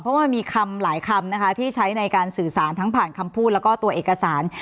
เพราะว่ามันมีคำหลายคำนะคะที่ใช้ในการสื่อสารทั้งผ่านคำพูดแล้วก็ตัวเอกสาร